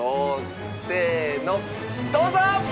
せーのどうぞ！